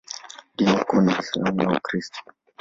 Dini kuu ni Uislamu na Ukristo.